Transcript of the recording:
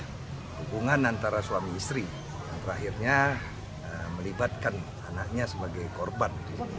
hubungan antara suami istri yang terakhirnya melibatkan anaknya sebagai korban